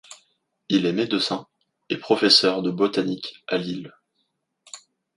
Il est médecin et professeur de botanique à Lille.